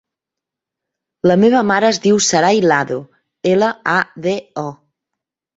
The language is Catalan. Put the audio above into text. La meva mare es diu Saray Lado: ela, a, de, o.